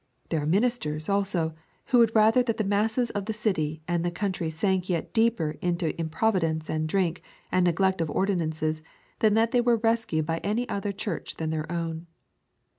There are ministers, also, who would rather that the masses of the city and the country sank yet deeper into improvidence and drink and neglect of ordinances than that they were rescued by any other church than their own.